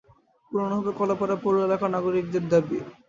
পূরণ হবে কলাপাড়া পৌর এলাকার নাগরিকদের দাবি।